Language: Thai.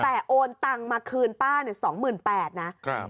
แต่โอนตังค์มาคืนป้าเนี่ยสองหมื่นแปดนะครับ